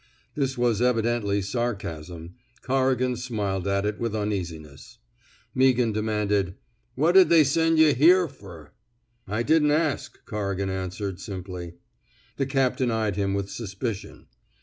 This was evidently sarcasn;i. Corrigan smiled at it with uneasiness. Meaghan demanded: What did they send yuh here ferf I didn't ask, Corrigan answered, simply. The captain eyed him with suspicion.